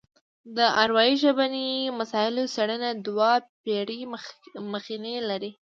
د اروايي ژبني مسایلو څېړنه دوه پېړۍ مخینه لري